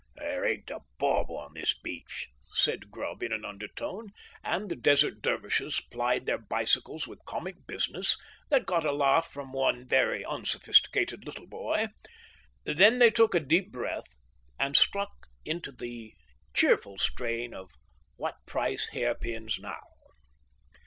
"There ain't a bob on the beach," said Grubb in an undertone, and the Desert Dervishes plied their bicycles with comic "business," that got a laugh from one very unsophisticated little boy. Then they took a deep breath and struck into the cheerful strain of "What Price Hair pins Now?"